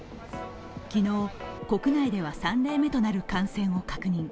昨日国内では３例目となる感染を確認。